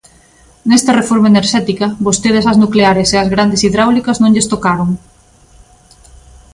Nesta reforma enerxética, vostedes ás nucleares e ás grandes hidráulicas non lles tocaron.